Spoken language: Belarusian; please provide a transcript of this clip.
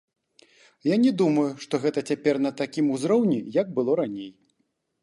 Я не думаю, што гэта цяпер на такім узроўні, як было раней.